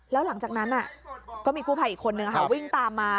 แล้วหลังจากนั้นก็มีกู้ภัยอีกคนนึงวิ่งตามมา